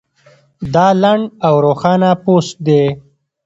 دا لنډ او روښانه پوسټ دی